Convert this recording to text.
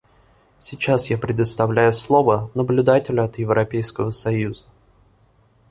Сейчас я предоставляю слово наблюдателю от Европейского союза.